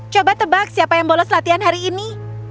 coba tebak siapa yang bolos latihan hari ini